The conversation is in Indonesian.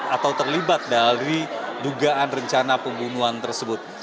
atau terlibat dari dugaan rencana pembunuhan tersebut